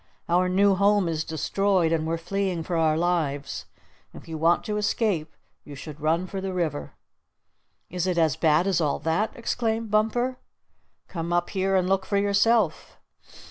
Our new home is destroyed, and we're fleeing for our lives. If you want to escape you should run for the river." "Is it as bad as all that!" exclaimed Bumper. "Come up here and look for yourself!"